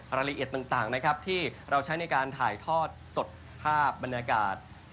รายละเอียดต่างนะครับที่เราใช้ในการถ่ายทอดสดภาพบรรยากาศ